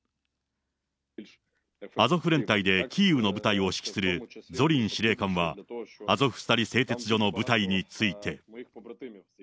アゾフ連隊でキーウの部隊を指揮するゾリン司令官は、アゾフスタリ製鉄所の部隊について。